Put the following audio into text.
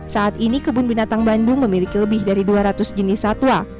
saat ini kebun binatang bandung memiliki lebih dari dua ratus jenis satwa